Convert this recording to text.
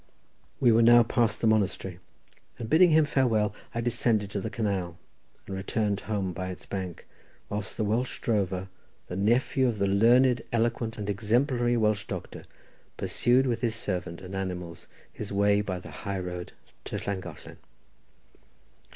We were now past the monastery, and bidding farewell, I descended to the canal, and returned home by its bank, whilst the Welsh drover, the nephew of the learned, eloquent and exemplary Welsh doctor, pursued with his servant and animals his way by the high road to Llangollen.